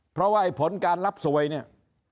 เพราะว่าไอ้ผลการรับสวยเนี่ย